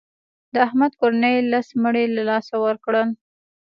د احمد کورنۍ لس مړي له لاسه ورکړل.